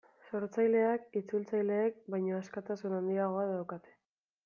Sortzaileak itzultzaileek baino askatasun handiagoa daukate.